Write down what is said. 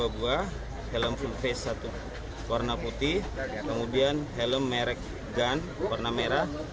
dua buah helm full face satu warna putih kemudian helm merek gun warna merah